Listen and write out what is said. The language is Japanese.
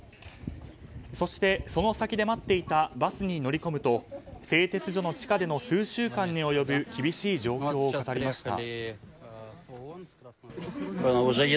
そして、その先で待っていたバスに乗り込むと製鉄所の地下での数週間に及ぶ厳しい状況を語りました。